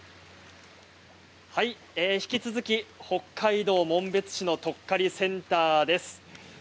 引き続き、北海道紋別市のとっかりセンターです。